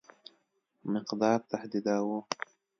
مقدار تهدیداوه.